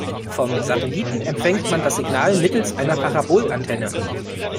Vom Satelliten empfängt man das Signal mittels einer Parabolantenne.